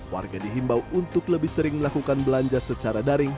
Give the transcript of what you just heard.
warga dihimbau untuk lebih sering melakukan belanja secara daring